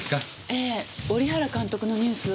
ええ織原監督のニュースを。